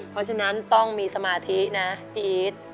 เพราะฉะนั้นต้องมีสมาธินะพี่อีท